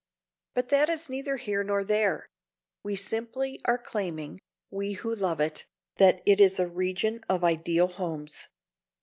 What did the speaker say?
But that is neither here nor there; we simply are claiming we who love it that it is a region of ideal homes.